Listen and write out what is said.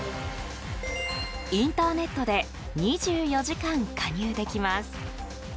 インターネットで２４時間加入できます。